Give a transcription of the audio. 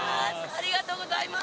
ありがとうございます。